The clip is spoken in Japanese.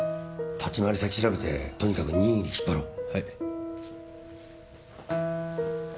立ち回り先調べてとにかく任意で引っ張ろう。